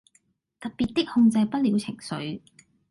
特別的控制不了情緒